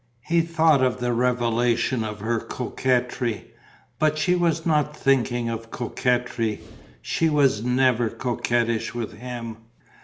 He thought of that revelation of her coquetry, but she was not thinking of coquetry. She was never coquettish with him.